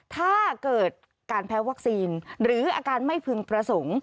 ถ้าเกิดการแพ้วัคซีนหรืออาการไม่พึงประสงค์